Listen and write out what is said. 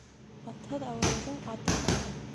Атһыҙ ауырыуҙың аты ҡороһон.